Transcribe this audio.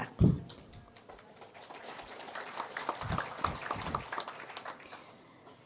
republik indonesia tercinta